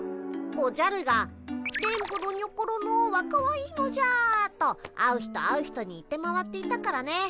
おじゃるが「電ボのにょころのはかわいいのじゃ」と会う人会う人に言って回っていたからね。